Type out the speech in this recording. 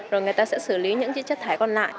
rồi người ta sẽ xử lý những cái chất thải còn lại